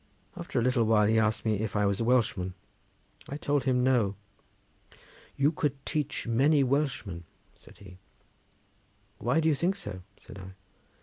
After a little time he asked me if I was a Welshman. I told him no. "You could teach many a Welshman," said he. "Why do you think so?" said I.